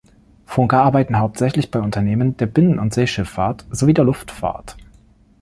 Funker arbeiten hauptsächlich bei Unternehmen der Binnen- und Seeschifffahrt sowie der Luftfahrt.